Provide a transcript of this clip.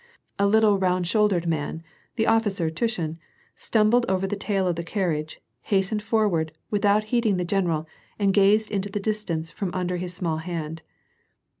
A little round shouldered man, the officer Tushin, stumbling over the tail of the carriage, hastened forward, without heeding the general, and gazed into the dis • tance from under his small hand.